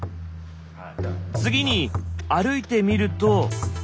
次に歩いてみると。